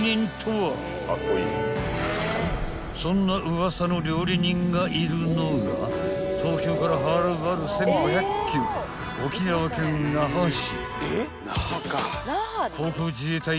［そんなウワサの料理人がいるのが東京からはるばる１，５００ｋｍ沖縄県那覇市］